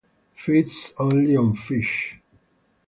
Feeds only on fish.